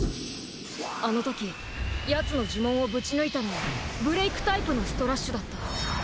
あのときヤツの呪文をぶち抜いたのはブレイクタイプのストラッシュだった。